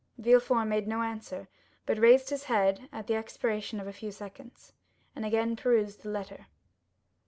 Villefort made no answer, but raised his head at the expiration of a few seconds, and again perused the letter.